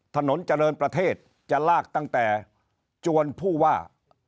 ถนนเจริญประเทศจะลากตั้งแต่จวนผู้ว่า